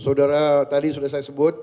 saudara tadi sudah saya sebut